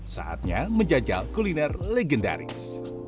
saatnya menjajal kuliner legendaris